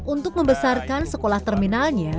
untuk membesarkan sekolah terminalnya